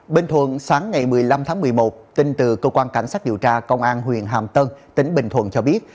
bình thuận sáng ngày một mươi năm tháng một mươi một tin từ cơ quan cảnh sát điều tra công an huyện hàm tân tỉnh bình thuận cho biết